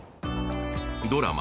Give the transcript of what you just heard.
ドラマ